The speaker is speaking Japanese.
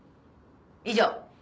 以上。